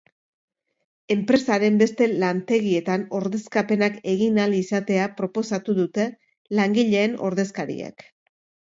Enpresaren beste lantegietan ordezkapenak egin ahal izatea proposatu dute langileen ordezkariek.